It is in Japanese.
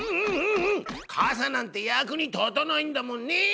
かさなんて役に立たないんだもんね！